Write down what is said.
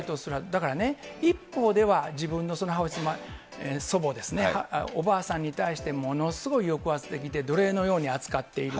だから一方では自分の母親、祖母ですね、おばあさんに対してものすごい抑圧的で奴隷のように扱っている。